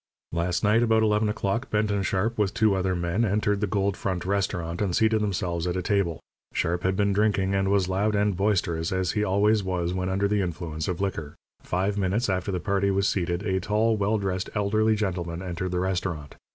Last night about eleven o'clock Benton Sharp, with two other men, entered the Gold Front Restaurant and seated themselves at a table. Sharp had been drinking, and was loud and boisterous, as he always was when under the influence of liquor. Five minutes after the party was seated a tall, well dressed, elderly gentleman entered the restaurant.